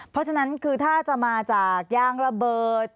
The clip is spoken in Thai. เพราะฉะนั้นคือถ้าจะมาจากยางระเบิด